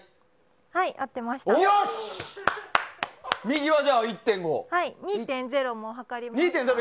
はい、合ってました。